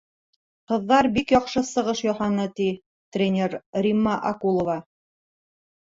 — Ҡыҙҙар бик яҡшы сығыш яһаны, — ти тренер Римма Акулова.